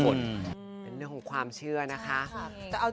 เป็นเรื่องของความเชื่อนะคะ